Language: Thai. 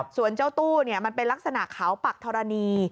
ส่วนเจ้าตู้มันเป็นลักษณะขาวปักธรณี